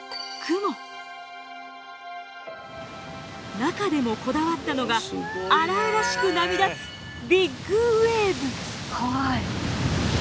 中でもこだわったのが荒々しく波立つビッグウエーブ。